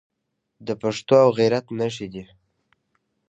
د پښتو او غیرت نښې دي.